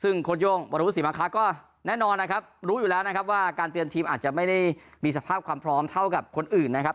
ซึ่งโค้ชโย่งวรุษีมาคะก็แน่นอนนะครับรู้อยู่แล้วนะครับว่าการเตรียมทีมอาจจะไม่ได้มีสภาพความพร้อมเท่ากับคนอื่นนะครับ